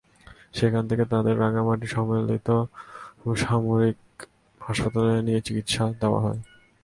সেখান থেকে তাঁদের রাঙামাটি সম্মিলিত সামরিক হাসপাতালে নিয়ে চিকিৎসা দেওয়া হয়।